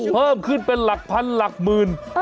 เพิ่มขึ้นเป็นหลักพันหลักหมื่น